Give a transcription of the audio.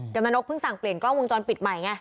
กนท์น้อยพึ่งสั่งเปลี่ยนกล้องวงจรปิดใหม่